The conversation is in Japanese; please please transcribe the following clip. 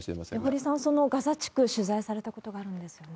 堀さん、そのガザ地区、取材されたことがあるんですよね？